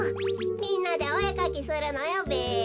みんなでおえかきするのよべ。